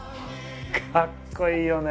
かっこいいよね！